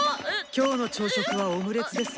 今日の朝食はオムレツですよ。